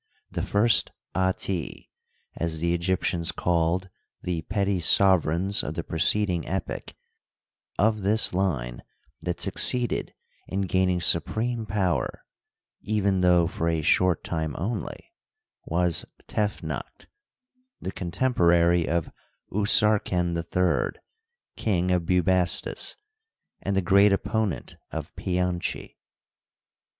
The first att — as the Egyptians called the petty sovereigns of the preceding epoch — of this line that succeeded in gaining supreme power, even though for a short time only, was Tefnackt, the contemporary of Usarken III, King of Bubastis, and the great opponent of Pianchi.